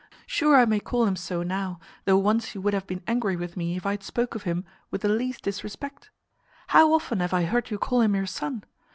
Sure I may call him so now, though once you would have been angry with me if I had spoke of him with the least disrespect. How often have I heard you call him your son?